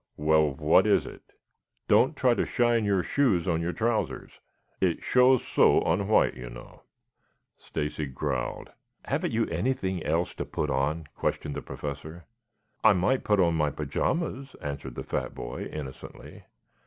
"Well, what is it?" "Don't try to shine your shoes on your trousers. It shows so on white, you know." Stacy growled. "Haven't you anything else to put on?" questioned the Professor. "I might put on my pajamas," answered the fat boy innocently.